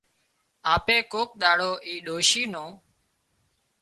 آپي ڪوڪ ۮاڙو اي ڏوشي نُون